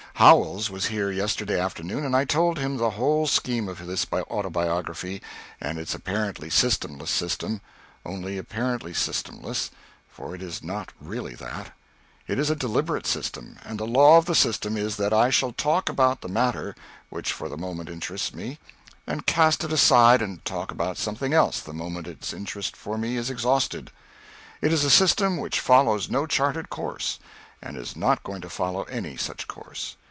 Howells was here yesterday afternoon, and I told him the whole scheme of this autobiography and its apparently systemless system only apparently systemless, for it is not really that. It is a deliberate system, and the law of the system is that I shall talk about the matter which for the moment interests me, and cast it aside and talk about something else the moment its interest for me is exhausted. It is a system which follows no charted course and is not going to follow any such course.